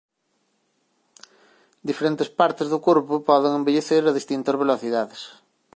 Diferentes partes do corpo poden envellecer a distintas velocidades.